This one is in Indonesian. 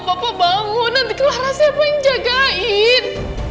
bapak bangun nanti clara siapa yang jagain